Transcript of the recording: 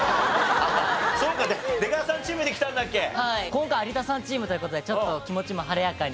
今回有田さんチームという事でちょっと気持ちも晴れやかに。